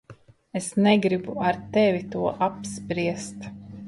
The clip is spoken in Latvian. Es negribu ar tevi to apspriest.